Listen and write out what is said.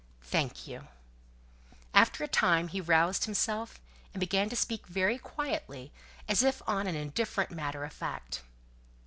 "Thank you." After a time he roused himself, and began to speak very quietly, as if on an indifferent matter of fact.